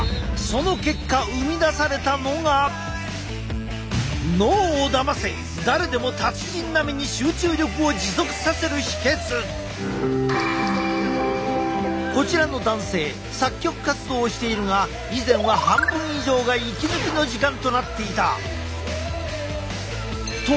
その結果生み出されたのがこちらの男性作曲活動をしているが以前は半分以上が息抜きの時間となっていた。